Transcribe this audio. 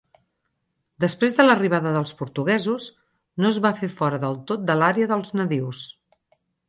Després de l'arribada dels portuguesos, no es va fer fora del tot de l'àrea als nadius.